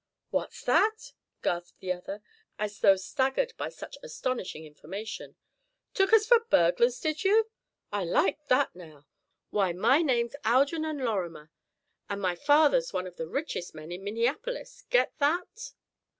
"What's that?" gasped the other, as though staggered by such astonishing information, "took us for burglars, did you? I like that, now. Why, my name's Algernon Lorrimer, and my father's one of the richest men in Minneapolis. Get that?"